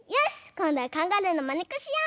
こんどはカンガルーのまねっこしよう！